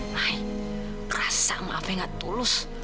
hai rasa maafnya gak tulus